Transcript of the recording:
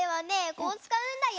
こうつかうんだよ。